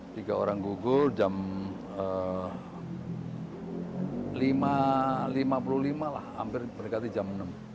tiga orang gugul jam lima puluh lima lah hampir berdekati jam enam